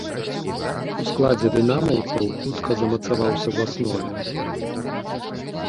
У складзе дынамаўцаў хутка замацаваўся ў аснове.